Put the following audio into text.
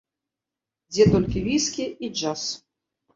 Дзе толькі віскі і джаз.